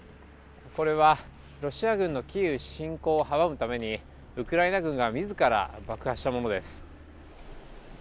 これはロシア軍のキーウ侵攻を阻むために、ウクライナ軍が自ら爆破したものです。